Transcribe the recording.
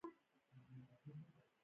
ما ځواب ورکړ: هو، خیر دي په نصیب شه.